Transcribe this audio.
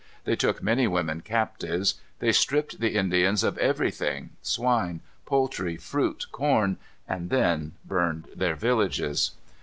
They took many women captives. They stripped the Indians of everything, swine, poultry, fruit, corn, and then burned their villages.